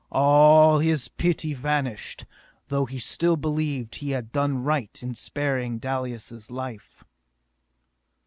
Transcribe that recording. All his pity vanished, though he still believed he had done right in sparing Dalis' life.